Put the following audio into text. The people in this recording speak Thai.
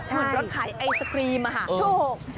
เหมือนรสขายไอสตรีมค่ะ